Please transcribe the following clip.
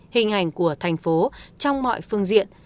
hình ảnh của thành phố trong mọi phương diện